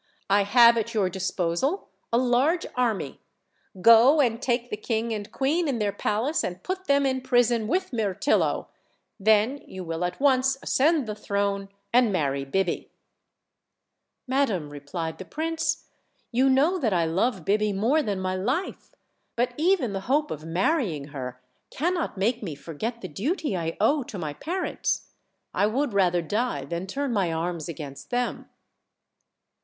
I have at your disposal a large army. Go and take the king and queen in their palace, and put them in prison with Mirtillo; then you will at once ascend the throne aud marry Biby." 106 OLD, OLD FAIR7 TALES. "Madam," replied the prince, "you know that I love Biby more than my life, but even the hope of marrying her cannot make me forget the duty I owe to my parents. I would rather die than turn my arms against them."